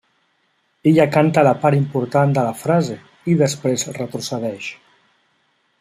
Ella canta la part important de la frase, i després retrocedeix.